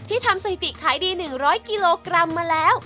ทำสถิติขายดี๑๐๐กิโลกรัมมาแล้ว